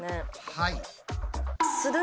はい。